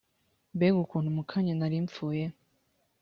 mbega ukuntu mu kanya nari mpfuye